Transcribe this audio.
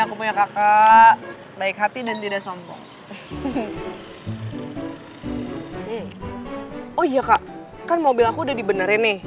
oh iya kak kan mobil aku udah dibenerin nih